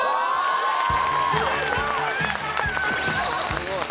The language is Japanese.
・すごい！